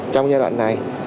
trong giai đoạn này